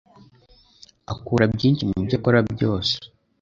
Akura byinshi mubyo akora byose.